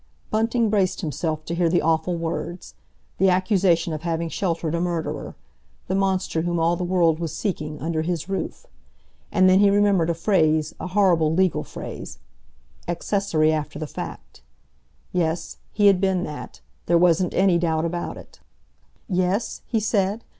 Bunting braced himself to hear the awful words—the accusation of having sheltered a murderer, the monster whom all the world was seeking, under his roof. And then he remembered a phrase, a horrible legal phrase—"Accessory after the fact." Yes, he had been that, there wasn't any doubt about it! "Yes?" he said.